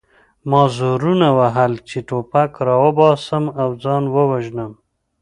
ما زورونه وهل چې ټوپک راوباسم او ځان ووژنم